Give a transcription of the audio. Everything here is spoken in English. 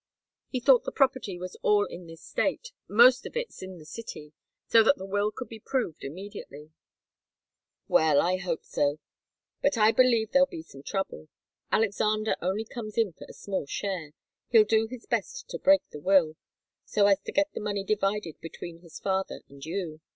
He thought the property was all in this State most of it's in the city, so that the will could be proved immediately." "Well I hope so. But I believe there'll be some trouble. Alexander only comes in for a small share. He'll do his best to break the will, so as to get the money divided between his father and you.